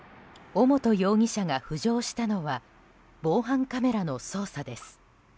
尾本容疑者が浮上したのは防犯カメラの捜査です。